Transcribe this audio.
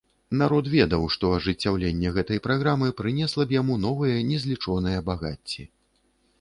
Народ ведаў, што ажыццяўленне гэтай праграмы прынесла б яму новыя незлічоныя багацці.